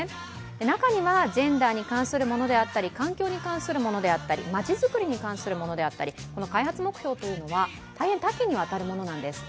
中にはジェンダーに関するものであったり環境に関するものであったりまちづくりに関するものだったり開発目標は大変多岐にわたるものなんです。